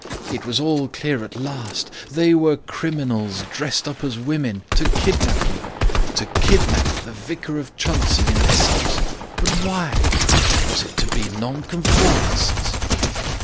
It was all clear at last: they were criminals dressed up as women, to kidnap me! To kidnap the Vicar of Chuntsey, in Essex. But why? Was it to be Nonconformists?